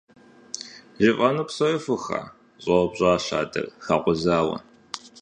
— ЖыфӀэну псори фуха? — щӀэупщӀащ адэр, хэкъузауэ.